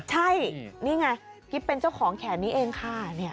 ใช่นี่ไงกิ๊บเป็นเจ้าของแขนนี้เองค่ะ